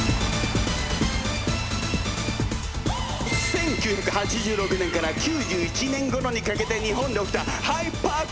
１９８６年から９１年ごろにかけて日本で起きたハイパー好景気！